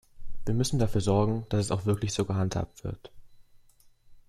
Wir müssen dafür sorgen, dass es auch wirklich so gehandhabt wird.